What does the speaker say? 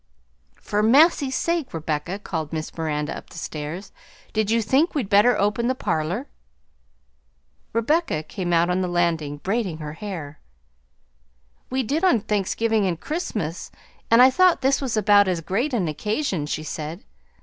"For massy's sake, Rebecca," called Miss Miranda up the stairs, "did you think we'd better open the parlor?" Rebecca came out on the landing braiding her hair. "We did on Thanksgiving and Christmas, and I thought this was about as great an occasion," she said.